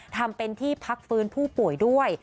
ทำเป็นที่พักฟื้นผู้ป่วยด้วย